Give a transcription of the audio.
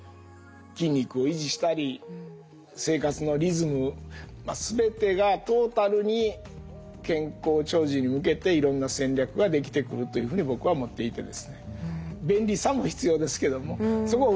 筋肉を維持したり生活のリズム全てがトータルに健康長寿に向けていろんな戦略ができてくるというふうに僕は思っていてですね。